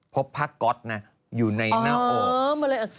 พบผ้าก๊อตนะอยู่ในหน้าอก